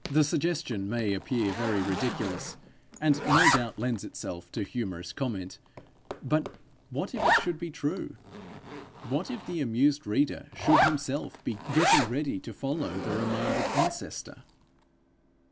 The suggestion may appear very ridiculous, and no doubt lends itself to humorous comment; but what if it should be true! what if the amused reader should himself be getting ready to follow the remanded ancestor!